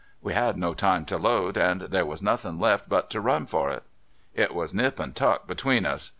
We had no time to load, and there was nothin' left but to run for it. It was nip and tuck between us.